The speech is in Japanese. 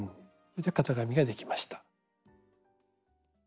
型紙ができました。